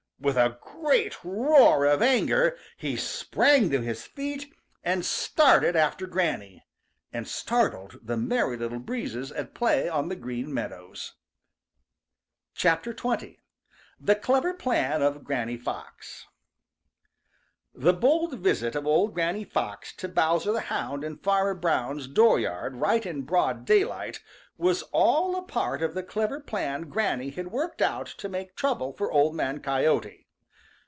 With a great roar of anger, he sprang to his feet, and started after Granny, and startled the Merry Little Breezes at play on the Green Meadows. XX. THE CLEVER PLAN OF GRANNY FOX |THE bold visit of old Granny Fox to Bowser the Hound in Farmer Brown's dooryard right in broad daylight was all a part of the clever plan Granny had worked out to make trouble for Old Man Coyote.